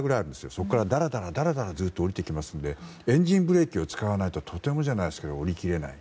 そこから、だらだらずっと下りていきますのでエンジンブレーキを使わないととてもじゃないですけど下りきれない。